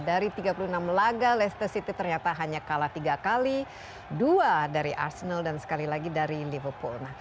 dari tiga puluh enam laga leicester city ternyata hanya kalah tiga kali dua dari arsenal dan sekali lagi dari liverpool